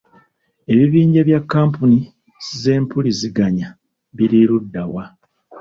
Ebibinja bya kampuni zempuliziganya biri luddawa?